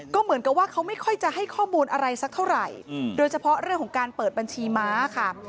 ก็เหมือนกับว่าเขาไม่ค่อยจะให้ข้อมูลอะไรสักเท่าไหร่โดยเฉพาะเรื่องของการเปิดบัญชีม้าค่ะ